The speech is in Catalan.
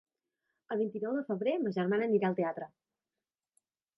El vint-i-nou de febrer ma germana anirà al teatre.